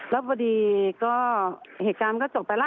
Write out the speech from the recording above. แล้วพอดีก็เหตุการณ์มันก็จบไปแล้ว